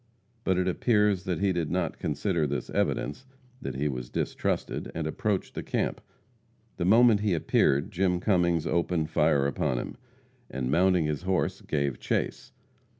But it appears that he did not consider this evidence that he was distrusted, and approached the camp. The moment he appeared Jim Cummings opened fire upon him, and mounting his horse gave chase.